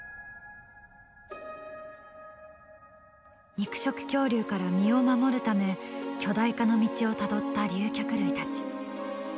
肉食恐竜から身を守るため巨大化の道をたどった竜脚類たち。